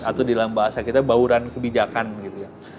atau dalam bahasa kita bauran kebijakan gitu ya